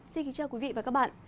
xin kính chào quý vị và các bạn